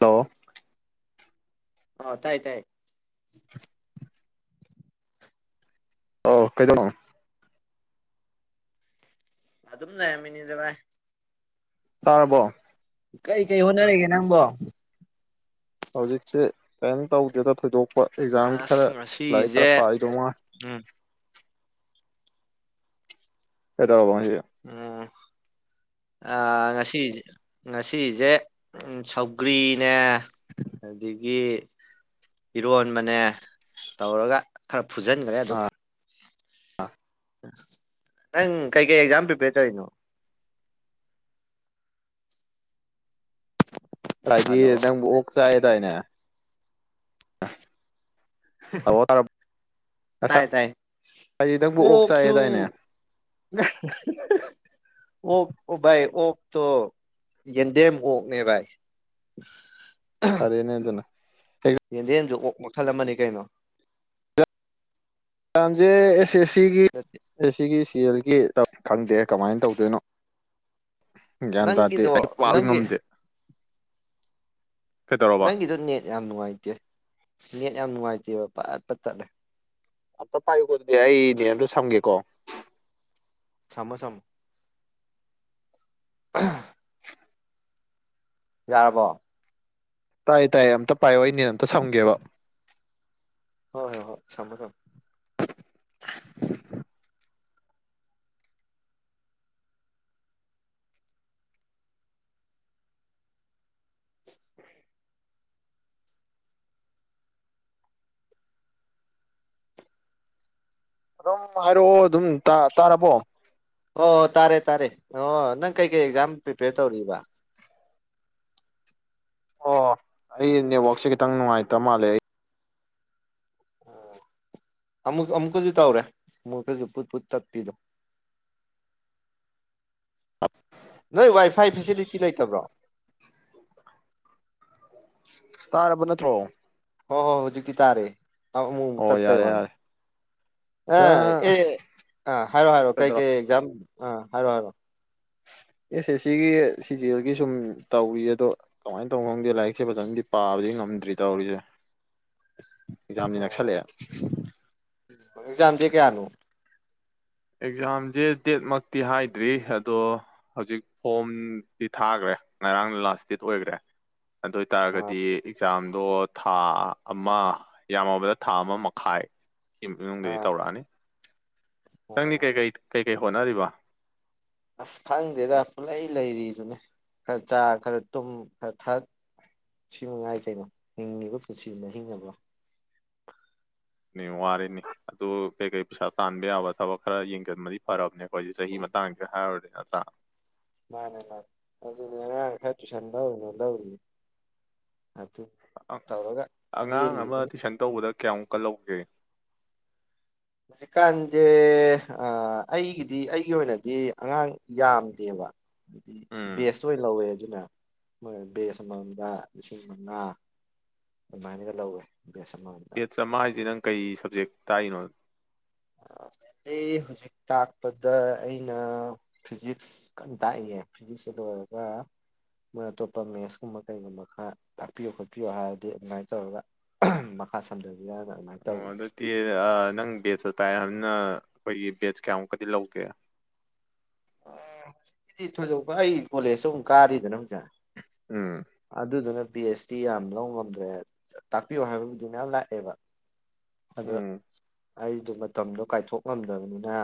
Hello ꯑ ꯇꯥꯏ ꯇꯥꯏ ꯑ ꯀꯩꯗꯧꯅꯣ ꯑꯗꯨ ꯑꯗꯨꯝ ꯃꯤꯅꯤꯖꯕꯥꯥꯏ ꯇꯥꯔꯕꯣ ꯀꯩ ꯀꯩ ꯍꯣꯠꯅꯔꯤꯒꯦ ꯅꯪꯕꯣ ꯍꯧꯖꯤꯛꯁꯦ ꯀꯔꯤꯝ ꯇꯧꯗꯦꯗ ꯊꯣꯏꯗꯣꯛꯄ ꯑꯦꯛꯖꯥꯝꯒꯤ ꯈꯔ ꯑꯁ ꯂꯥꯏꯔꯤꯛ ꯈꯔ ꯉꯁꯤꯁꯦ ꯄꯥꯗꯧ ꯉꯥꯏ ꯎꯝ ꯀꯦꯗꯧꯔꯕ ꯑꯣꯝ ꯉꯁꯤ ꯉꯁꯤꯁꯦ ꯁꯧꯒ꯭ꯔꯤꯅꯦ ꯍꯥꯏꯗꯤ ꯒꯤ ꯏꯔꯣꯟꯕꯅꯦ ꯇꯧꯔꯒ ꯈꯔ ꯐꯨꯖꯟꯈ꯭ꯔꯦ ꯑꯗꯣ ꯑꯥ ꯅꯪ ꯀꯩ ꯀꯩ ꯑꯦꯛꯖꯥꯝꯤꯄꯦꯇꯣ ꯏꯅꯣ ꯍꯥꯏꯗꯤ ꯍꯜꯂꯣ ꯅꯪ ꯑꯣꯛ ꯆꯥꯏꯗꯥꯏꯅꯦ ꯇꯥꯃꯣ ꯇꯥꯔꯕꯣ ꯇꯥꯏ ꯇꯥꯏ ꯉꯁꯥꯏꯗꯤ ꯅꯪꯕꯨ ꯑꯣꯛ ꯆꯥꯏꯌꯦꯗꯥꯏꯅꯦ ꯑꯣꯁꯨꯨ ꯑꯣ ꯑꯣꯚꯥꯏ ꯑꯣ ꯣ ꯌꯦꯗꯦ ꯍꯅꯦꯚꯥꯏ ꯐꯔꯦꯅꯦ ꯑꯗꯨꯅ ꯌꯦꯟꯗꯦꯟꯁꯨ ꯑꯣꯛ ꯃꯊꯜꯂꯝ ꯑꯃꯅꯤꯅꯤ ꯀꯩꯅꯣ ꯌꯥꯝꯁꯦ ꯑꯁ ꯑꯦꯁꯤꯒꯤ ꯅꯠꯇꯦ ꯑꯦꯁꯤꯒꯤ ꯍꯧꯖꯤꯛꯀꯤ ꯈꯪꯗꯦ ꯀꯃꯥꯏꯅ ꯇꯧꯗꯣꯏꯅꯣ ꯒ꯭ꯌꯥꯟ ꯇꯥꯗꯦ ꯅꯪꯒꯤꯗꯣ ꯂꯥꯏꯔꯤꯛ ꯄꯕ ꯅꯪꯒꯤ ꯉꯝꯗꯦ ꯀꯩꯗꯧꯔꯕ ꯅꯪꯒꯤꯗꯣ ꯅꯦꯠ ꯌꯥꯝ ꯅꯨꯡꯉꯥꯏꯇꯦ ꯅꯦꯠ ꯌꯥꯝ ꯅꯨꯡꯉꯥꯏꯇꯦꯕ ꯄꯠꯄꯠ ꯇꯠꯂꯦ꯫ ꯑꯇ ꯄꯥꯏ ꯌꯨꯀꯣ ꯑꯗꯨꯗꯤ ꯑꯩ ꯅꯦꯠ ꯑꯃꯇ ꯁꯝꯒꯦꯀꯣ ꯁꯝꯃꯣ ꯁꯝꯃꯣ ꯌꯥꯔꯕꯣ ꯇꯥꯏ ꯇꯥꯏ ꯑꯝꯇ ꯄꯥꯏꯌꯣ ꯑꯩꯅꯦꯠ ꯑꯝꯇ ꯁꯝꯒꯦꯕ ꯍꯣꯏ ꯍꯣꯏ ꯍꯣꯏ ꯁꯝꯃꯣ ꯁꯝꯃꯣ [unintelligible] ꯑꯗꯨꯝ ꯍꯥꯏꯔꯛꯑꯣ ꯑꯗꯨꯝ ꯇꯥꯔꯕꯣ ꯑꯣ ꯍꯣꯏ ꯇꯥꯔꯦ ꯇꯥꯔꯦ ꯑꯣ ꯅꯪ ꯀꯩꯀꯩ ꯑꯦꯛꯖꯥꯝ ꯄ꯭ꯔꯤꯄꯦꯌꯔ ꯇꯧꯔꯤꯕ ꯑꯣ ꯑꯩ ꯅꯦꯠꯋꯥꯛꯁꯦ ꯈꯤꯇꯪ ꯅꯨꯡꯉꯥꯏꯇ ꯃꯥꯜꯂꯦ ꯑꯩ ꯑꯃꯨꯛ ꯑꯃꯨꯛꯀꯁꯨ ꯇꯧꯔꯦ ꯑꯃꯨꯛꯀꯁꯨꯠꯠ ꯇꯠꯄꯤꯗꯣ ꯅꯣꯏ ꯋꯥꯏꯐꯥꯏ ꯐꯦꯁꯤꯂꯤꯇꯤ ꯂꯩꯇꯕ꯭ꯔꯣ ꯇꯥꯔꯕ ꯅꯠꯇ꯭ꯔꯣ ꯍꯣ ꯍꯣ ꯍꯧꯖꯤꯛꯇꯤ ꯇꯥꯔꯦ ꯑꯃꯨꯛ ꯑꯃꯨꯛ ꯑꯣ ꯇꯠꯄꯩ ꯌꯥꯔꯦ ꯋꯥꯅꯤ ꯌꯥꯔꯦ ꯑ ꯑꯦ ꯈꯤꯇꯪ ꯑ ꯍꯥꯏꯔꯣ ꯍꯥꯏꯔꯣ ꯀꯩ ꯀꯩ ꯑꯦꯛꯖꯥꯝ ꯑ ꯍꯥꯏꯔꯣ ꯍꯥꯏꯔꯣ ꯑꯦꯁ ꯑꯦ ꯁꯤꯒꯤ ꯁꯤꯖꯦꯜꯒꯤ ꯁꯨꯝ ꯇꯧꯔꯤ ꯑꯗꯣ ꯀꯃꯥꯏꯅ ꯇꯧ ꯈꯪꯗꯦ ꯂꯥꯏꯔꯤꯛꯁꯦ ꯐꯖꯅꯗꯤ ꯄꯥꯕꯗꯤ ꯉꯝꯗ꯭ꯔꯤ ꯇꯧꯔꯤꯁꯦ ꯑꯦꯛꯖꯥꯝꯗꯤ ꯑꯣ ꯅꯛꯁꯜꯂꯛꯑꯦ ꯑꯦꯛꯖꯥꯝ ꯗꯦꯠ ꯀꯌꯥꯅꯣ ꯑꯦꯛꯖꯥꯝꯁꯦ ꯗꯦꯠꯃꯛꯇꯤ ꯍꯥꯏꯗ꯭ꯔꯤ ꯑꯗꯣ ꯍꯧꯖꯤꯛ ꯐꯣꯝꯗꯤ ꯊꯥꯈ꯭ꯔꯦ ꯉꯔꯥꯡ ꯂꯥꯁ ꯗꯦꯠ ꯑꯣꯏꯈ꯭ꯔꯦ ꯑꯗꯨ ꯑꯥ ꯑꯣꯏꯇꯥꯔꯒꯗꯤ ꯑꯦꯛꯖꯥꯝ ꯑꯗꯣ ꯊꯥ ꯑꯃ ꯌꯥꯝꯃꯕꯗ ꯊꯥ ꯑꯃ ꯃꯈꯥꯏ ꯁꯤ ꯏꯃꯨꯡꯗꯗꯤ ꯑꯥ ꯇꯧꯔꯛꯑꯅꯤ ꯅꯪꯗꯤ ꯑꯣ ꯀꯩ ꯀꯩ ꯀꯩ ꯍꯣꯠꯅꯔꯤꯕ ꯑꯁ ꯈꯪꯗꯦꯗ ꯄꯨꯂꯩ ꯂꯩꯔꯤꯗꯨꯅꯦ ꯈꯔ ꯆꯥ ꯈꯔ ꯇꯨꯝ ꯈꯔ ꯊꯛ ꯁꯤ ꯃꯉꯥꯏ ꯀꯩꯅꯣ ꯍꯤꯡꯉꯤꯕ ꯄꯨꯟꯁꯤꯁꯤꯅ ꯍꯤꯡꯉꯕ ꯋꯥꯔꯤꯔꯅꯤ ꯑꯗꯨ ꯀꯩꯀꯩ ꯄꯩꯁꯥ ꯇꯥꯟꯕ ꯌꯥꯕ ꯊꯕꯛ ꯈꯔ ꯌꯦꯡꯒꯟꯕꯗꯤ ꯐꯔꯕꯅꯦ ꯑꯩꯈꯣꯏꯁꯦ ꯆꯍꯤ ꯃꯇꯥꯡꯁꯤꯗ ꯍꯥꯏꯔꯨꯔꯗꯤ ꯅꯠꯇ꯭ꯔꯥ ꯃꯥꯅꯦ ꯃꯥꯅꯦ ꯑꯉꯥꯡ ꯈꯔ ꯇꯨꯁꯟ ꯂꯧ ꯂꯧꯔꯤꯌꯦ ꯑꯉꯥꯡ ꯑꯃ ꯂꯦꯜꯂꯤꯗꯨꯅꯤ ꯇꯨꯏꯁꯟ ꯇꯧꯕꯗ ꯀꯌꯥ ꯃꯨꯛꯀꯂꯧꯒꯦ ꯍꯧꯖꯤꯛꯀꯥꯟꯗꯤ ꯑꯩꯒꯤꯗꯤ ꯑꯩꯒꯤ ꯑꯣꯏꯅꯗꯤ ꯑꯉꯥꯡ ꯌꯥꯝꯗꯦꯕ ꯑꯗꯨꯗꯤ ꯎꯝ ꯕꯦꯁ ꯑꯣꯏꯅ ꯂꯧꯋꯦ ꯑꯗꯨꯅ ꯃꯣꯏ ꯕꯦꯁ ꯑꯃꯃꯝꯗ ꯂꯤꯁꯤꯡ ꯃꯉꯥ ꯑꯗꯨꯃꯥꯏꯅꯒ ꯂꯧꯋꯦ ꯕꯦꯁ ꯑꯃꯃꯝꯗ ꯕꯦꯠꯁ ꯑꯃ ꯍꯥꯏꯁꯦ ꯅꯪ ꯀꯩ ꯁꯕꯖꯦꯛ ꯇꯥꯏꯅꯣꯠ ꯑꯩ ꯍꯧꯖꯤꯛ ꯇꯥꯛꯄꯗ ꯑꯩꯅ ꯐꯤꯖꯤꯛꯁ ꯀꯟ ꯇꯥꯛꯏꯌꯦ ꯐꯤꯖꯤꯛꯁꯇ ꯂꯣꯏꯔꯒ ꯃꯣꯏ ꯑꯇꯣꯞꯄ ꯃꯦꯠꯁꯀꯨꯝꯕ ꯀꯩꯒꯨꯝꯕ ꯈꯔ ꯇꯥꯛꯄꯤꯌꯣ ꯈꯣꯠꯄꯤꯌꯣ ꯍꯥꯏꯔꯗꯤ ꯑꯗꯨꯃꯥꯏꯅ ꯇꯧꯔꯒ ꯃꯈꯥ ꯁꯝꯊ ꯑꯣ ꯑꯗꯨꯗꯤ ꯅꯪ ꯕꯦꯁꯇ ꯇꯛꯑꯦ ꯍꯥꯏꯕꯅꯤꯅ ꯑꯩꯈꯣꯏꯒꯤ ꯕꯦꯁ ꯀꯌꯥꯃꯨꯛꯀꯗꯤ ꯂꯧꯒꯦ ꯑ ꯍꯧꯖꯤꯛꯀꯤꯗꯤ ꯊꯣꯏꯗꯣꯛꯄ ꯑꯩ ꯀꯣꯂꯦꯖꯇ ꯑꯃꯨꯛ ꯀꯥꯔꯤꯗꯅ ꯍꯧꯖꯤꯛ ꯎꯝ ꯑꯗꯨꯗꯨꯅ ꯄꯤ ꯑꯩꯆ ꯗꯤ ꯌꯥꯝ ꯂꯧ ꯉꯝꯗ꯭ꯔꯦ ꯇꯥꯛꯄꯤꯌꯣ ꯍꯥꯏꯕꯕꯨꯗꯤ ꯃꯌꯥꯝ ꯂꯥꯛꯑꯦꯕ ꯑꯗꯣ ꯎꯝ ꯑꯩꯗꯣ ꯃꯇꯝꯗꯣ ꯀꯥꯏꯊꯣꯛꯂꯝꯝꯗꯕꯅꯤꯅ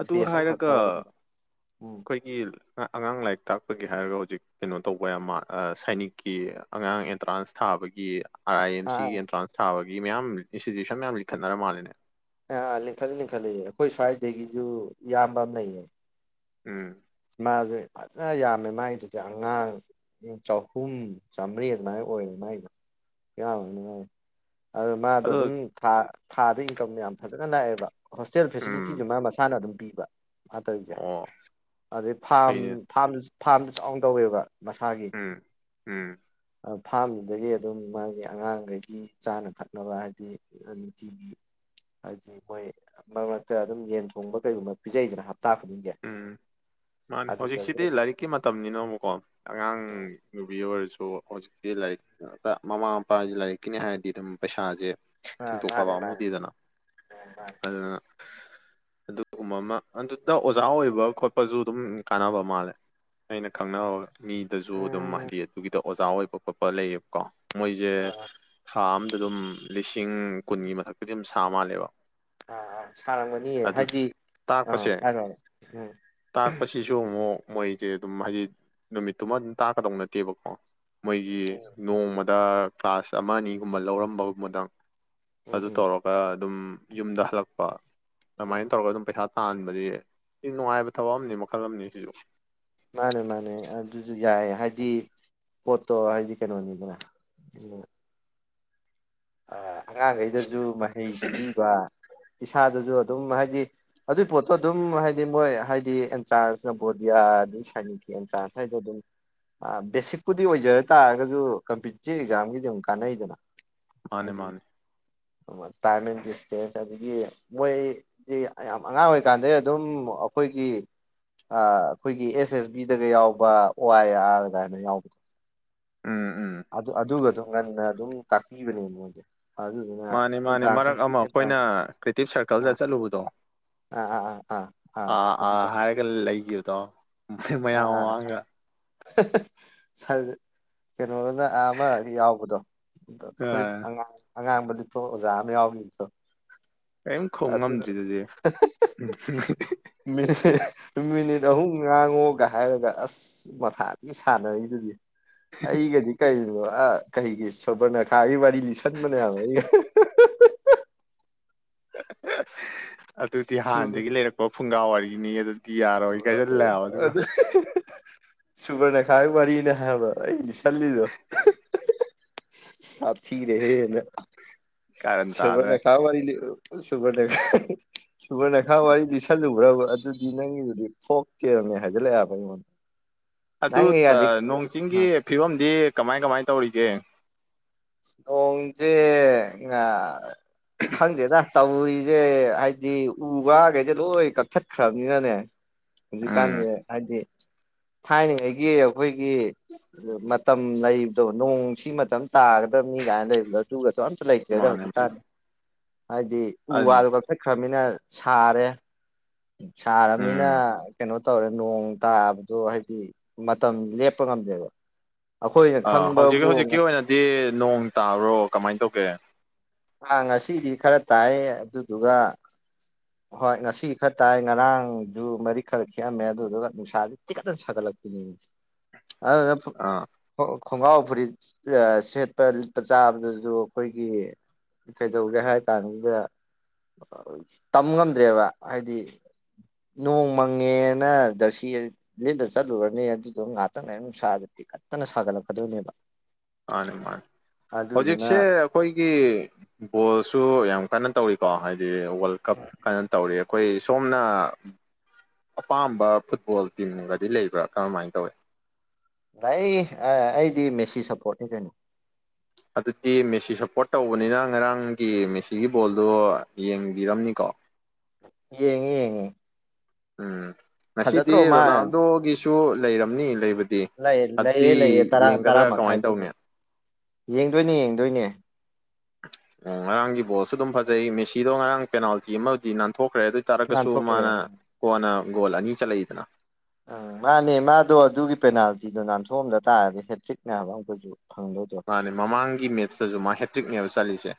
ꯑꯗꯨ ꯍꯥꯏꯔꯒ ꯎꯝ ꯑꯩꯈꯣꯏꯒꯤ ꯑꯉꯥꯡ ꯂꯥꯏꯔꯤꯛ ꯇꯥꯛꯄꯒꯤ ꯍꯥꯏꯔꯒꯛ ꯍꯧꯖꯤꯛ ꯀꯩꯅꯣ ꯇꯧꯕ ꯁꯥꯏꯅꯤꯛꯀꯤ ꯑꯉꯥꯡ ꯑꯦꯟꯇ꯭ꯔꯥꯟꯁ ꯊꯥꯕꯒꯤ ꯑꯥ ꯑꯥꯏ ꯑꯦꯝ ꯁꯤꯒꯤ ꯑꯥ ꯑꯦꯟꯇ꯭ꯔꯥꯟꯁ ꯊꯥꯕꯦ ꯃꯌꯥꯝ ꯏꯟꯁꯇꯤꯇ꯭ꯌꯨꯁꯟ ꯃꯌꯥꯝ ꯂꯤꯡꯈꯠꯔ ꯃꯥꯜꯂꯤꯦꯅꯦ ꯑꯥ ꯂꯤꯡꯈꯠꯂꯤ ꯂꯤꯡꯈꯠꯂꯤ ꯑꯩꯈꯣꯏ ꯁ꯭ꯋꯥꯏꯗꯒꯤꯁꯨ ꯏꯌꯥꯝꯕ ꯑꯃ ꯂꯩꯌꯦ ꯎꯝ ꯃꯥꯁꯦ ꯐꯖꯅ ꯌꯥꯝꯃꯦ ꯃꯥꯏꯗꯨꯗꯤ ꯑꯉꯥꯡ ꯆꯍꯨꯝ ꯆꯥꯝꯃꯔꯤ ꯑꯗꯨꯃꯥꯏꯅ ꯑꯣꯏꯌꯦꯦ ꯃꯥꯏꯗ ꯌꯥꯝ ꯅꯨꯡꯉꯥꯏ ꯑꯗꯨ ꯃꯥꯗꯣ ꯑꯗꯨꯝ ꯑꯗꯣ ꯊꯥ ꯊꯥꯗ ꯏꯟꯀꯝ ꯌꯥꯝ ꯐꯖꯅ ꯂꯥꯛꯑꯦꯕ ꯍꯣꯁꯇꯦꯜ ꯎꯝ ꯐꯦꯁꯤꯂꯤꯇꯤꯁꯨ ꯃꯥ ꯃꯁꯥꯅ ꯑꯗꯨꯝ ꯄꯤꯕ ꯃꯥꯇꯕꯤꯗ ꯑꯣ ꯑꯗꯩ ꯐꯥꯔꯝ ꯐꯩꯅꯦ ꯐꯥꯝ ꯐꯥꯔꯝꯗ ꯆꯥꯎꯅ ꯇꯧꯋꯦꯕ ꯃꯁꯥꯒꯤ ꯎꯝ ꯎꯝ ꯑ ꯐꯥꯝꯗꯨꯗꯒꯤ ꯑꯗꯨꯝ ꯃꯥꯒꯤ ꯑꯉꯥꯡꯈꯩꯒꯤ ꯆꯥꯅ ꯊꯛꯅꯕ ꯍꯥꯏꯗꯤ ꯅꯨꯡꯇꯤꯒꯤ ꯍꯥꯏꯗꯤ ꯃꯣꯏ ꯃꯔꯛ ꯃꯔꯛꯇ ꯑꯗꯨꯝ ꯌꯦꯟ ꯊꯣꯡꯕ ꯀꯩꯒꯨꯝꯕ ꯄꯤꯖꯩꯗꯅ ꯍꯥꯞ ꯇꯥꯈꯕꯤꯒꯦ ꯎꯝ ꯃꯥꯅꯦ ꯍꯧꯖꯤꯛꯁꯤꯗꯤ ꯂꯥꯏꯔꯤꯛꯀꯤ ꯃꯇꯝꯅꯤꯅꯣꯕꯀꯣ ꯑꯉꯥꯡ ꯅꯨꯨꯕꯤꯌꯨ ꯑꯗꯨ ꯑꯣꯏꯔꯁꯨ ꯍꯧꯖꯤꯛꯇꯤ ꯂꯥꯏꯔꯤꯛ ꯃꯃꯥ ꯃꯄꯥꯁꯤꯦ ꯂꯥꯏꯔꯤꯛꯀꯤꯅꯤ ꯍꯥꯏꯔꯗꯤ ꯑꯗꯨꯝ ꯄꯩꯁꯥꯁꯦ ꯑꯥ ꯊꯤꯡꯇꯣꯛꯄꯕ ꯃꯥꯅꯦ ꯃꯥꯅꯦ ꯑꯃꯨꯗꯦꯗꯅ ꯃꯥꯅꯦ ꯑꯗꯨꯅ ꯑꯗꯨꯒꯨꯝꯕ ꯑꯃ ꯑꯗꯨ ꯇ ꯑꯣꯖꯥ ꯑꯣꯏꯕ ꯈꯣꯠꯄꯁꯨ ꯑꯗꯨꯝ ꯀꯥꯟꯅꯕ ꯃꯥꯜꯂꯦ ꯑꯩꯅ ꯈꯪꯔꯒ ꯃꯤꯗꯁꯨ ꯑꯗꯨꯝ ꯎꯝ ꯍꯥꯏꯗꯤ ꯑꯗꯨꯒꯤꯗꯣ ꯑꯣꯖꯥ ꯑꯣꯏꯣꯏ ꯄꯄꯄ ꯂꯩꯀꯣ ꯃꯣꯏꯁꯦ ꯑꯥ ꯊꯝ ꯑꯗꯨꯝ ꯂꯤꯁꯤꯡ ꯀꯨꯟꯒꯤ ꯃꯊꯛꯇꯗꯤ ꯑꯗꯨꯝ ꯁꯥ ꯃꯥꯜꯂꯦꯕ ꯑ ꯑ ꯁꯥꯔꯝꯒꯅꯤꯌꯦ ꯑꯗꯨ ꯍꯥꯏꯗꯤ ꯑ ꯇꯥꯛꯄꯁꯦ ꯍꯥꯏꯔꯣ ꯎꯝ ꯇꯥꯛꯄꯁꯤꯁꯨ ꯑꯃꯣ ꯃꯣꯏꯁꯦ ꯑꯗꯨꯝ ꯍꯥꯏꯗꯤ ꯅꯨꯃꯤꯠꯇꯨꯃ ꯑꯗꯨꯝ ꯇꯥꯛꯀꯗꯧ ꯅꯠꯇꯦꯕꯀꯣ ꯃꯣꯏꯒꯤ ꯅꯣꯡꯃꯗ ꯗ ꯀ꯭ꯂꯥꯁ ꯑꯃ ꯑꯅꯤꯒꯨꯝꯕ ꯂꯧꯔꯝꯕ ꯃꯗꯪ ꯎꯝ ꯑꯗꯨ ꯎꯝ ꯇꯧꯔꯒ ꯑꯗꯨꯝ ꯌꯨꯝꯗ ꯍꯜꯂꯛꯄ ꯎꯝ ꯑꯗꯨꯃꯥꯏ ꯇꯧꯔꯒ ꯑꯗꯨꯝ ꯄꯩꯁꯥ ꯇꯥꯟꯕꯗꯤ ꯁꯤ ꯅꯨꯡꯉꯥꯏꯕ ꯊꯕꯛ ꯑꯃꯅꯤ ꯃꯈꯜ ꯑꯃꯅꯤ ꯁꯤꯁꯨ ꯃꯥꯅꯦ ꯃꯥꯅꯦ ꯑꯗꯨꯁꯨ ꯌꯥ ꯍꯥꯏꯗꯤ ꯄꯣꯠꯇꯣ ꯍꯥꯏꯗꯤ ꯀꯩꯅꯣꯅꯤꯗꯅ ꯑ ꯑꯉꯥꯡ ꯒꯩꯗꯖꯨ ꯖꯨ ꯃꯍꯩ ꯄꯤꯕꯤꯕ ꯏꯁꯥꯗꯁꯨ ꯑꯗꯨꯝ ꯍꯥꯏꯗꯤ ꯑꯗꯨꯏ ꯄꯣꯠꯇꯣ ꯑꯗꯨꯝ ꯍꯥꯏꯗꯤ ꯃꯣꯏ ꯍꯥꯏꯗꯤ ꯑꯦꯟꯇ꯭ꯔꯥꯟꯁꯅꯕꯣꯗꯤꯌꯥ ꯑꯩ ꯁꯥꯏꯅꯤꯛꯀꯤ ꯑꯦꯟꯇ꯭ꯔꯥꯟꯁ ꯍꯥꯏꯁꯨꯣ ꯑꯗꯨꯝ ꯕꯦꯁꯤꯛꯄꯨꯗꯤ ꯑꯣꯏꯖꯔ ꯇꯥꯔꯒꯁꯨ ꯀꯝꯄꯤꯇꯤꯇꯤꯞ ꯑꯦꯛꯖꯥꯝꯒꯤꯗꯤ ꯑꯗꯨꯝ ꯀꯥꯟꯅꯩꯗꯅ ꯃꯥꯅꯦ ꯍꯥꯏꯗꯤ ꯃꯥꯅꯦ ꯇꯥꯏꯝ ꯑꯦꯟ ꯗꯤꯁꯇꯦꯟꯁ ꯑꯗꯒꯤ ꯃꯣꯏꯗꯤ ꯌꯥꯝ ꯑꯉꯥꯡ ꯑꯣꯏꯔꯤꯀꯥꯟꯗꯩ ꯑꯗꯨꯝ ꯑꯩꯈꯣꯏꯒꯤ ꯑꯩꯈꯣꯏꯒꯤ ꯑꯦꯁ ꯑꯦꯁ ꯕꯤꯗꯒ ꯌꯥꯎꯕ ꯑꯣ ꯑꯥꯏ ꯑꯥꯔ ꯀꯥꯏꯅ ꯌꯥꯎꯕꯗꯣ ꯎꯝ ꯎꯝ ꯑꯗꯨ ꯑꯗꯨꯒ ꯑꯗꯨꯝ ꯉꯟꯅ ꯑꯗꯨꯝ ꯇꯄꯤꯤꯕꯅꯦꯦ ꯃꯥꯅꯦ ꯃꯥꯅꯦ ꯃꯔꯛ ꯑꯃ ꯑꯩꯈꯣꯏꯅ ꯀ꯭ꯔꯤꯇꯤꯞ ꯁꯥꯔꯀꯜꯗ ꯆꯠꯂꯨꯕꯗꯣ ꯑ ꯑꯥ ꯑ ꯑꯥ ꯑꯥ ꯑ ꯑ ꯑꯗꯨꯗ ꯍꯥꯏꯔꯒ ꯂꯩ ꯌꯦꯗ ꯃꯌꯥꯝ ꯃꯥꯡꯒ ꯆꯥꯏ ꯀꯩꯅꯣꯅ ꯑꯥ ꯑꯃ ꯌꯥꯎꯕꯗꯣ ꯑ ꯐꯨꯔꯤꯠ ꯑꯉꯥꯡ ꯑꯉꯥꯡꯕꯗꯤ ꯄꯣ ꯑꯣꯖꯥ ꯑꯃ ꯌꯥꯎꯈꯤꯗ ꯀꯔꯤꯝ ꯈꯨꯝ ꯉꯝꯗ꯭ꯔꯤꯗꯨꯗꯤ ꯃ ꯃ ꯉꯥꯡꯉꯣꯒ ꯍꯥꯏꯔꯒ ꯑꯁ ꯃꯊꯥꯇ ꯁꯥꯟꯅꯔꯤꯗꯨꯗꯤ ꯍꯒꯗꯤ ꯀꯥꯏ ꯑꯥ ꯀꯩꯒꯤ ꯁꯣꯕꯔꯅꯈꯥꯒꯤ ꯋꯥꯔꯤ ꯂꯤꯁꯟꯕꯅꯦꯌꯥꯝ ꯑꯩꯒ ꯑꯍꯥꯍꯥ ꯑꯗꯨꯗꯤ ꯍꯥꯟꯅꯗꯒꯤ ꯂꯩꯔꯛꯄ ꯄꯨꯡꯒꯥ ꯋꯥꯔꯤꯒꯤꯅꯤ ꯑꯗꯨ ꯑꯗ ꯁꯨꯕꯔꯅꯈꯥꯏ ꯋꯥꯔꯤꯅꯦ ꯍꯥꯏꯕ ꯑꯩꯅ ꯂꯤꯁꯜꯂꯤꯗꯣ ꯁꯥꯊꯤꯔꯦꯍꯦ ꯀꯥꯔꯟ ꯁꯃꯅ ꯇꯥꯗ꯭ꯔꯦ ꯈꯥꯎ ꯋꯥꯔꯤ ꯋꯥꯔꯤ ꯁꯨꯒ ꯁꯨꯕꯔ ꯅꯈꯥ ꯋꯥꯔꯤꯗꯤꯁꯜꯂ ꯭ꯔꯕ ꯑꯗꯨꯗꯤ ꯅꯪꯒꯤ ꯐꯣꯛ ꯀꯔꯅꯦ ꯍꯥꯏꯖꯤꯜꯂꯛꯑꯦꯕ ꯑꯩꯉꯣꯟꯗ ꯑꯗꯨ ꯅꯪꯒꯤ ꯒꯥꯗꯤ ꯅꯣꯡ ꯆꯤꯡꯒꯤ ꯐꯤꯕꯝꯗꯤ ꯀꯃꯥꯏ ꯀꯃꯥꯏ ꯇꯧꯔꯤꯒꯦ ꯊꯣꯡꯖꯦ ꯈꯪꯗꯦꯗ ꯇꯧꯔꯤꯁꯦ ꯍꯥꯏꯕꯗꯤ ꯎꯒꯥ ꯀꯩꯁꯦ ꯂꯣꯏ ꯀꯛꯊꯠꯈ꯭ꯔꯕꯅꯤꯅꯅꯦ ꯍꯧꯖꯤꯛ ꯎꯝ ꯀꯥꯟꯖꯦ ꯍꯥꯏꯗꯤ ꯊꯥꯏꯅꯉꯩꯒꯤ ꯑꯩꯈꯣꯏꯒꯤ ꯃꯇꯝ ꯂꯩꯕꯗꯣ ꯅꯣꯡꯁꯤ ꯃꯇꯝ ꯇꯥꯒꯗꯅꯤ ꯀꯥꯏꯅꯒ ꯂꯩꯕꯗꯣ ꯑꯗꯨꯒꯗꯣ ꯑꯝ ꯂꯩꯇꯔ꯭ꯦꯗ ꯃꯥꯅꯦ ꯍꯧꯖꯤꯛ ꯀꯥꯟ ꯃꯥꯅꯦ ꯍꯥꯏꯗꯤ ꯎ ꯑꯗꯨꯅꯤ ꯋꯥꯗꯨꯒ ꯀꯛ ꯊꯠꯈ꯭ꯔꯃꯤꯅ ꯁꯥꯔꯦ ꯁꯥꯔꯕꯅꯤꯅ ꯎꯝ ꯀꯩꯅꯣ ꯇꯧꯔꯦ ꯅꯣꯡ ꯇꯥꯕꯗꯣ ꯍꯥꯏꯗꯤ ꯃꯇꯝ ꯂꯦꯞꯄ ꯉꯝꯗꯦꯕ ꯑꯩꯈꯣꯏꯅ ꯑꯥ ꯍꯧꯖꯤꯛ ꯈꯪꯕꯕꯨ ꯍꯧꯖꯤꯛꯀꯤ ꯑꯣꯏꯅꯗꯤ ꯅꯣꯡ ꯇꯥꯕ꯭ꯔꯣ ꯀꯃꯥꯏꯅ ꯇꯧꯒꯦ ꯑꯥ ꯉꯁꯤꯗꯤ ꯈꯔ ꯇꯥꯏ ꯑꯗꯨꯗꯨꯒ ꯍꯣꯏ ꯉꯁꯤꯗꯤ ꯈꯔ ꯇꯥꯏ ꯉꯔꯥꯡꯗꯨ ꯃꯔꯤ ꯈꯔ ꯈꯦꯑꯝꯃꯦ ꯑꯗꯨꯗꯨꯒ ꯅꯨꯡꯁꯥꯥꯁ ꯇꯤꯀꯠꯇꯅ ꯁꯥꯒꯠꯂꯛꯄꯅꯤ ꯑ ꯑꯥ ꯈꯣꯡꯒ꯭ꯔꯥꯎ ꯐꯨꯔꯤꯠ ꯁꯦꯠꯄ ꯂꯤꯠꯄ ꯆꯥꯕꯗꯁꯨ ꯑꯩꯈꯣꯏꯒꯤ ꯀꯩꯗꯧꯒꯦ ꯍꯥꯏ ꯀꯥꯟꯁꯤꯗ ꯇꯝ ꯉꯝꯗ꯭ꯔꯦꯕ ꯍꯥꯏꯗꯤ ꯅꯣꯡ ꯃꯪꯉꯦꯅ ꯖꯔꯁꯤ ꯂꯤꯠꯂ ꯆꯠꯂꯨꯔꯅꯤ ꯑꯗꯨꯗꯣ ꯉꯍꯥꯛꯇꯪ ꯉꯥꯏ ꯅꯨꯡꯁꯥꯗ ꯇꯤꯀꯠꯇꯅ ꯁꯥꯒꯠꯂꯛꯀꯗꯧꯅꯦꯕ ꯃꯥꯅꯤ ꯃꯥꯅꯤ ꯍꯧꯖꯤꯛꯁꯦ ꯑꯩꯈꯣꯏꯒꯤ ꯐꯠ ꯕꯣꯜꯁꯨ ꯌꯥꯝ ꯀꯟꯅ ꯇꯧꯔꯤꯀꯣ ꯍꯥꯏꯗꯤ ꯋꯥꯔꯜ ꯀꯞ ꯀꯟꯅ ꯇꯧꯔꯤ ꯑꯩꯈꯣꯏ ꯁꯣꯝꯅ ꯑꯄꯥꯝꯕ ꯐꯨꯠꯕꯣꯜ ꯇꯤꯝꯒꯗꯤ ꯂꯩꯕ꯭ꯔꯥ ꯀꯔꯝꯍꯥꯏꯅ ꯇꯧꯋꯤ ꯑꯩ ꯑꯩꯗꯤ ꯃꯦꯁꯤ ꯁꯞꯄꯣꯔꯠꯅꯤ ꯀꯩꯅꯣ ꯑꯗꯨꯗꯤ ꯃꯦꯁꯤ ꯁꯞꯄꯣꯔꯠ ꯇꯧꯕꯅꯤꯅ ꯉꯔꯥꯡꯒꯤ ꯃꯦꯁꯤꯒꯤ ꯕꯣꯜꯗꯣ ꯌꯦꯡꯕꯤꯔꯝꯅꯤꯀꯣ ꯌꯦꯡꯉꯦ ꯌꯦꯡꯉꯦ ꯎꯝ ꯃꯁꯤꯗꯤ ꯔꯣꯅꯥꯜꯗꯣꯒꯤ ꯁꯨ ꯂꯩꯔꯝꯅꯤ ꯂꯩꯕ ꯂꯩ ꯂꯩꯌꯦ ꯂꯩꯌꯦ ꯇꯔꯥ ꯇꯔꯥ ꯀꯃꯥꯏꯅ ꯇꯧꯅꯤ ꯃꯈꯥꯏꯗꯅꯦ ꯌꯦꯡꯗꯣꯏꯅꯦ ꯌꯦꯡꯗꯣꯏꯅꯦ ꯑꯣ ꯉꯔꯥꯡꯒꯤ ꯕꯣꯜꯁꯨ ꯑꯗꯨꯝ ꯐꯖꯩ ꯃꯦꯁꯤꯗꯣ ꯉꯔꯥꯡ ꯄꯦꯅꯥꯜꯇꯤ ꯑꯃꯗꯤ ꯅꯥꯟꯊꯣꯛ ꯈ꯭ꯔꯦ ꯑꯗꯨ ꯑꯣꯏ ꯇꯥꯔꯒꯁꯨ ꯅꯥꯟꯊꯣꯛꯈ꯭ꯔꯦ ꯃꯥꯅ ꯀꯣꯟꯅ ꯒꯣꯜ ꯑꯅꯤ ꯆꯠꯂꯛꯏꯗꯅ ꯎꯝ ꯃꯥꯅꯦ ꯃꯥꯗꯣ ꯑꯗꯨꯒꯤ ꯄꯦꯅꯥꯜꯇꯤꯗꯣ ꯅꯥꯟꯊꯣꯛꯑꯝꯗ ꯇꯥꯔꯒꯗꯤ ꯍꯦꯇ꯭ꯔꯤꯛꯅꯦꯕ ꯑꯃꯨꯛꯀꯥꯁꯨ ꯃꯥꯅꯦ ꯃꯃꯥꯡꯒꯤ ꯃꯦꯠꯁꯇꯁꯨ ꯃꯥ ꯍꯦꯛ ꯇꯔꯤꯛꯅꯦꯕ ꯆꯥꯂꯤꯜꯁꯦ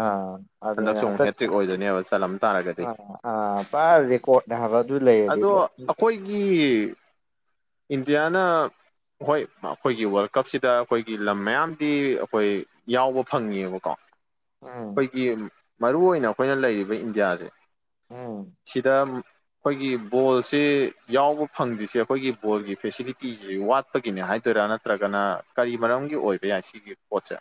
ꯑꯥ ꯑꯗꯨꯅꯦ ꯍꯟꯗꯛ ꯑꯣꯏꯗꯣꯏꯅꯦꯕ ꯆꯠꯂꯝ ꯇꯥꯔꯒꯗꯤ ꯑꯥ ꯑꯥ ꯄꯨꯔ ꯔꯦꯀꯣꯔꯠ ꯍꯥꯏꯕ ꯑꯗꯨ ꯂꯩꯔꯗꯤ ꯑꯗꯣ ꯑꯩꯈꯣꯏꯒꯤ ꯏꯟꯗꯤꯌꯥꯅ ꯍꯣꯏ ꯑꯩꯈꯣꯏꯒꯤ ꯋꯥꯔꯜ ꯀꯞꯁꯤꯗ ꯑꯩꯈꯣꯏꯒꯤ ꯂꯝ ꯃꯌꯥꯝ ꯗꯤ ꯑꯩꯈꯣꯏ ꯌꯥꯎꯕ ꯐꯪꯉꯦꯕꯀꯣ ꯎꯝ ꯑꯩꯈꯣꯏꯒꯤ ꯃꯔꯨꯏ ꯑꯣꯏꯅ ꯑꯩꯈꯣꯏꯅ ꯂꯩꯔꯤꯕ ꯏꯟꯗꯤꯌꯥꯖꯦ ꯎꯝ ꯁꯤꯗꯥ ꯑꯩꯈꯣꯏꯒꯤ ꯕꯣꯜꯁꯦ ꯌꯥꯎꯕ ꯐꯪꯗ꯭ꯔꯤꯁꯦ ꯑꯩꯈꯣꯏꯒꯤ ꯕꯣꯜꯒꯤ ꯐꯦꯁꯤꯂꯤꯇꯤꯁꯤ ꯋꯥꯠꯄꯒꯤꯅꯦ ꯍꯥꯏꯗꯣꯏꯔꯥ ꯅꯠꯇ꯭ꯔꯒꯅ ꯀꯔꯤ ꯃꯔꯝꯒꯤ ꯑꯣꯏꯕ ꯄꯁꯤ ꯄꯆꯥ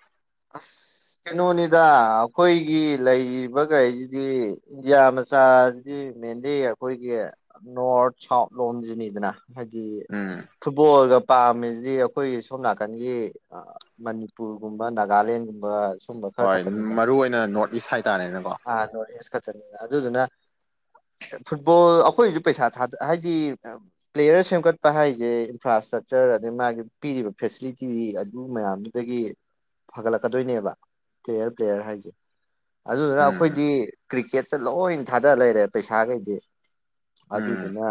ꯑꯁ ꯀꯩꯅꯣꯅꯤꯗ ꯑꯩꯈꯣꯏꯒꯤ ꯂꯩꯔꯤꯕꯈꯩꯁꯤꯗꯤ ꯏꯟꯗꯤꯌꯥ ꯃꯆꯥꯁꯤꯗꯤ ꯃꯦꯟꯂꯤ ꯑꯩꯈꯣꯏꯒꯤ ꯅꯣꯔꯠ ꯁꯥꯎꯠ ꯂꯣꯝꯁꯤꯅꯤꯗꯅ ꯍꯥꯏꯗꯤ ꯎꯝ ꯐꯨꯠꯕꯣꯜꯒ ꯄꯥꯝꯃꯤꯁꯤꯗꯤ ꯑꯩꯈꯣꯏ ꯁꯣꯝ ꯅꯥꯀꯟꯒꯤ ꯑ ꯃꯅꯤꯄꯨꯔꯒꯨꯝꯕ ꯅꯥꯒ ꯒꯥꯂꯦꯟꯒꯨꯝꯕ ꯁ ꯍꯣꯏ ꯃꯔꯨ ꯑꯣꯏꯅ ꯅꯣꯔꯠ ꯏꯁ ꯍꯥꯏꯇꯥꯔꯦꯅꯀꯣ ꯑꯥ ꯅꯣꯔꯠ ꯏꯁ ꯑꯗꯨꯗꯨꯅ ꯐꯨꯠꯕꯣꯜ ꯑꯩꯈꯣꯏꯁꯨ ꯄꯩꯁꯥ ꯊꯥ ꯍꯥꯏꯗꯤ ꯄ꯭ꯂꯦꯌꯔ ꯁꯦꯝꯒꯠꯄ ꯍꯥꯏꯁꯦ ꯏꯟꯐ꯭ꯔꯥ ꯏꯁꯇ꯭ꯔꯛꯆꯔ ꯑꯗꯩ ꯃꯥꯒꯤ ꯄꯤꯔꯤꯕ ꯐꯦꯁꯤꯂꯤꯇꯤ ꯑꯗꯨ ꯃꯌꯥꯝꯗꯨꯗꯒꯤ ꯐꯒꯠꯂꯛꯀꯗꯣꯏꯅꯦꯕ ꯄ꯭ꯂꯦꯌꯔ ꯄ꯭ꯂꯦꯌꯔ ꯍꯥꯏꯖꯦ ꯑꯗꯨꯗꯨꯅ ꯎꯝ ꯑꯩꯈꯣꯏꯗꯤ ꯀ꯭ꯔꯤꯛꯀꯦꯠꯇ ꯂꯣꯏ ꯊꯥꯗ ꯂꯩꯔꯦ ꯄꯩꯁꯥꯈꯩꯗꯤ ꯎꯝ ꯑꯗꯨꯗꯨꯅ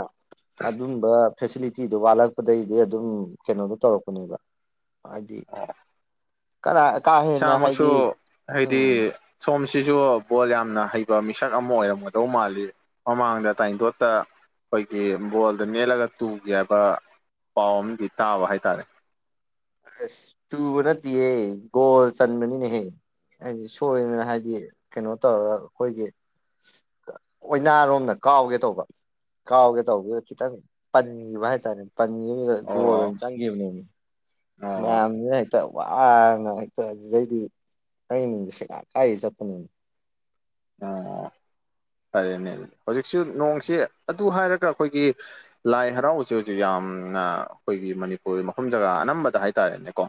ꯑꯗꯨꯝꯕ ꯐꯦꯁꯤꯂꯤꯇꯤꯗꯨꯣ ꯋꯥꯠꯂꯛꯄꯗꯒꯤꯗꯤ ꯑꯗꯨꯝ ꯀꯩꯅꯣꯗꯣ ꯇꯧꯔꯛꯄꯅꯦꯕ ꯑꯗꯤ ꯑꯣ ꯀꯅꯥ ꯏꯁꯥꯃꯛꯁꯨ ꯍꯥꯏꯗꯤ ꯎꯝ ꯁꯣꯝ ꯁꯤꯁꯨ ꯕꯣꯜ ꯌꯥꯝꯅ ꯍꯩꯕ ꯃꯤꯁꯛ ꯑꯃ ꯑꯣꯏꯔꯝꯒꯗꯧ ꯃꯥꯜꯂꯤ ꯃꯃꯥꯡꯗ ꯇꯥꯏꯊꯣꯠꯇ ꯑꯩꯈꯣꯏꯒꯤ ꯕꯣꯜꯗ ꯅꯦꯠꯂꯒ ꯇꯨꯒꯦ ꯍꯥꯏꯕ ꯄꯥꯎ ꯑꯃꯗꯤ ꯇꯥꯕ ꯍꯥꯏꯇꯥꯔꯦ ꯑꯁ ꯇꯨꯕ ꯅꯠꯇꯦꯌꯦ ꯒꯣꯜ ꯆꯟꯕꯅꯤꯅꯦꯍꯦ ꯍꯥꯏꯗꯤ ꯁꯣꯏꯗꯅ ꯍꯥꯏꯗꯤ ꯀꯩꯅꯣ ꯇꯧꯔꯒ ꯑꯩꯈꯣꯏꯒꯤ ꯑꯣꯏꯅꯥꯔꯣꯝꯅ ꯀꯥꯎꯒꯦ ꯇꯧꯕ ꯀꯥꯎꯒꯦ ꯇꯧꯕꯗꯨꯗ ꯈꯤꯇꯪ ꯄꯟꯈꯤꯕ ꯍꯥꯏꯇꯥꯔꯦꯅꯦ ꯄꯟ ꯒꯣꯜ ꯑꯣ ꯑꯣꯏꯅ ꯆꯪꯈꯤꯕꯅꯦꯅꯦ ꯑꯣ ꯑꯣ ꯃꯌꯥꯝꯗꯨꯅ ꯍꯦꯛꯇ ꯋꯥꯅ ꯍꯦꯛꯇ ꯑꯗꯨꯗꯩꯗꯤ ꯑꯩ ꯃꯤꯡꯗ ꯁꯦꯒ ꯀꯥꯏ ꯆꯠꯄꯅꯤꯅ ꯑꯣ ꯐꯔꯦꯅꯦ ꯍꯧꯖꯤꯛꯁꯨ ꯅꯣꯡꯁꯤ ꯑꯗꯨ ꯍꯥꯏꯔꯒ ꯑꯩꯈꯣꯏꯒꯤ ꯂꯥꯏ ꯍꯔꯥꯎꯁꯦ ꯍꯧꯖꯤꯛ ꯌꯥꯝꯅ ꯑꯩꯈꯣꯏꯒꯤ ꯃꯅꯤꯄꯨꯔ ꯃꯐꯝ ꯖꯒꯥ ꯑꯅꯝꯕꯗ ꯍꯥꯏꯇꯥꯔꯦꯅꯦꯀꯣ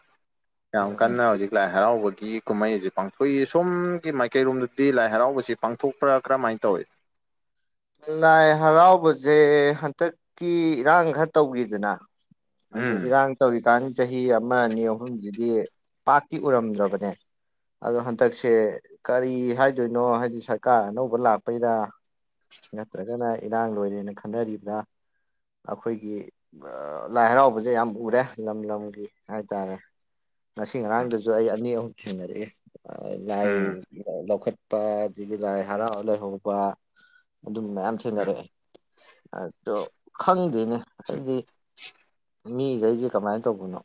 ꯎꯝ ꯌꯥꯝ ꯎꯝ ꯀꯟꯅ ꯍꯧꯖꯤꯛ ꯂꯥꯏ ꯍꯔꯥꯎꯕꯗ ꯒꯤ ꯀꯨꯝꯍꯩ ꯑꯁꯤ ꯄꯥꯡꯊꯣꯛꯏ ꯁꯣꯝꯒꯤ ꯃꯥꯏꯀꯩꯔꯣꯝꯗꯗꯤ ꯂꯥꯏ ꯍꯔꯥꯎꯕꯁꯤ ꯄꯥꯡꯊꯣꯛꯄ꯭ꯔꯥ ꯀꯔꯝꯍꯥꯏ ꯇꯧꯋꯤ ꯂꯥꯏ ꯍꯔꯥꯎꯕꯁꯦ ꯍꯟꯇꯛꯀꯤ ꯏꯔꯥꯡ ꯈꯔ ꯇꯧꯒꯤꯗꯅ ꯎꯝ ꯑꯗꯣꯏꯗꯤ ꯏꯔꯥꯡ ꯇꯧꯔꯤ ꯀꯥꯟ ꯆꯍꯤ ꯑꯃ ꯑꯅꯤ ꯑꯍꯨꯝꯁꯤꯗꯤ ꯄꯥꯛꯇꯤ ꯎꯔꯝꯗ꯭ꯔꯕꯅꯦ ꯑꯗꯣ ꯍꯟꯗꯛꯁꯦ ꯀꯔꯤ ꯍꯥꯏꯗꯣꯏꯅꯣ ꯍꯥꯏꯗꯤ ꯁꯔꯀꯥꯔ ꯑꯅꯧꯕ ꯂꯥꯛꯄꯩꯔ ꯅꯠꯇ꯭ꯔꯒꯅ ꯏꯔꯥꯡ ꯂꯣꯏꯔꯦꯅ ꯈꯟꯅꯔꯤꯕ꯭ꯔ ꯑꯩꯈꯣꯏꯒꯤ ꯂꯥꯏ ꯍꯔꯥꯎꯕꯁꯦ ꯌꯥꯝ ꯎꯔꯦ ꯂꯝ ꯂꯝꯒꯤ ꯍꯥꯏ ꯇꯔꯦ ꯉꯁꯤ ꯉꯔꯥꯡꯗꯁꯨ ꯑꯩ ꯑꯅꯤ ꯑꯍꯨꯝ ꯈꯦꯡꯅꯔꯛꯑꯦ ꯑ ꯂꯥꯏ ꯎꯝ ꯂꯧꯈꯠ ꯄꯥ ꯗꯨꯗꯤ ꯂꯥꯏ ꯍꯔꯧ ꯂꯩꯍꯧꯕ ꯑꯗꯨꯝ ꯃꯌꯥꯝ ꯁꯦꯟꯅꯔꯛꯑꯦ ꯑꯗꯣ ꯈꯪꯗꯦꯅꯦ ꯑꯩꯗꯤ ꯃꯤꯈꯩꯁꯦ ꯀꯃꯥꯏꯅ ꯇꯧꯕꯅꯣ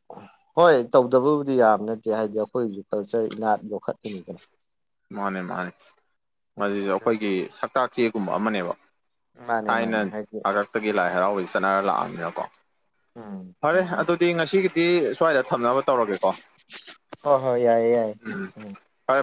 ꯍꯣꯏ ꯇꯧꯗꯕꯕꯨꯗꯤ ꯌꯥꯝ ꯅꯠꯇꯦ ꯍꯥꯏꯗꯤ ꯑꯩꯈꯣꯏꯒꯤꯁꯨ ꯀꯜꯆꯔ ꯏꯅꯥꯠ ꯌꯣꯛꯈꯠꯂꯤꯅꯤꯗꯅ ꯃꯥꯅꯦ ꯃꯥꯅꯦ ꯎꯝ ꯃꯁꯤꯁꯨ ꯑꯩꯈꯣꯏꯒꯤ ꯑꯗꯨꯗꯨꯅ ꯁꯛꯇꯥꯛ ꯆꯦꯒꯨꯝꯕ ꯑꯃꯅꯦꯕ ꯃꯥꯅꯦ ꯊꯥꯏꯅ ꯃꯥꯅꯦ ꯍꯥꯏꯗꯤ ꯍꯥꯛꯇꯛꯇꯒꯤ ꯂꯥꯏ ꯍꯔꯥꯎꯕ ꯆꯠꯅꯔ ꯂꯥꯛꯑꯝꯅꯤꯅꯀꯣ ꯎꯝ ꯐꯔꯦ ꯍꯥꯏꯗꯤ ꯑꯗꯨꯗꯤ ꯉꯁꯤꯒꯤꯗꯤ ꯁ꯭ꯋꯥꯏꯗ ꯊꯝꯅꯕ ꯇꯧꯔꯒꯦꯀꯣ ꯍꯣꯏ ꯍꯣꯏ ꯌꯥꯏꯌꯦ ꯌꯥꯏꯌꯦ ꯎꯝ ꯐꯔꯦ ꯐꯔꯦ